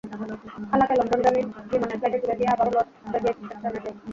খালাকে লন্ডনগামী বিমানের ফ্লাইটে তুলে দিয়ে আবারও লস্ট ব্যাগেজ সেকশনে যাই।